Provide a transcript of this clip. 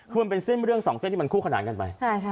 คือมันเป็นเส้นเรื่องสองเส้นที่มันคู่ขนานกันไป